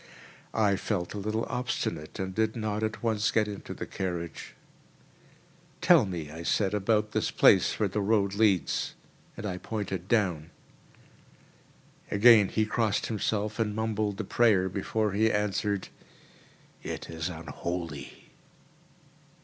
I felt a little obstinate and did not at once get into the carriage. "Tell me," I said, "about this place where the road leads," and I pointed down. Again he crossed himself and mumbled a prayer, before he answered, "It is unholy."